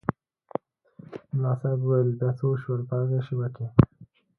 ملا صاحب وویل بیا څه وشول په هغې شېبه کې.